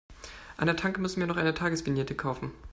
An der Tanke müssen wir noch eine Tagesvignette kaufen.